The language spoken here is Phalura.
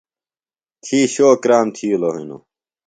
تھی شو کرام تھِیلوۡ ہِنوۡ۔